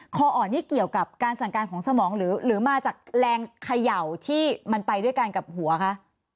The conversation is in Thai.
คออ่อนนี่เกี่ยวกับการสั่งการของสมองหรือมาจากแรงเขย่าที่มันไปด้วยกันกับหัวคะ